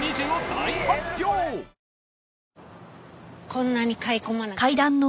こんなに買い込まなくても。